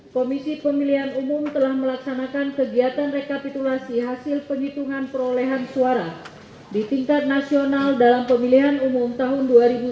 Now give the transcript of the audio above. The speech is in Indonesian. komisi pemilihan umum telah melaksanakan kegiatan rekapitulasi hasil penghitungan perolehan suara di tingkat nasional dalam pemilihan umum tahun dua ribu sembilan belas